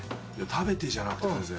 「食べて」じゃなくて先生。